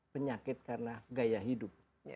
penyakit karena gaya hidup